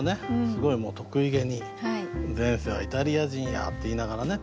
すごい得意気に「前世はイタリア人や」って言いながらね